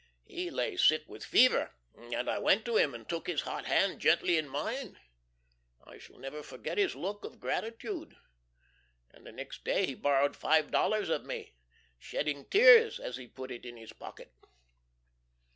He lay sick with fever, and I went to him and took his hot hand gently in mine. I shall never forget his look of gratitude. And the next day he borrowed five dollars of me, shedding tears as he put it in his pocket.